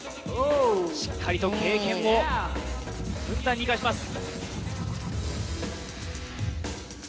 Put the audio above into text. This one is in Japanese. しっかりと経験をふんだんに生かします。